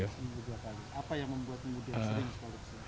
apa yang membuatnya sering